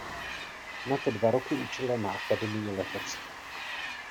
Nato dva roky učila na Akademii letectva.